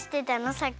さっき。